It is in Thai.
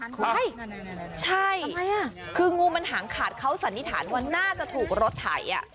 ใช่ใช่คืองูมันหางขาดเขาสันนิษฐานว่าน่าจะถูกรถไถ